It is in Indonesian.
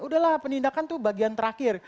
udahlah penindakan itu bagian terakhir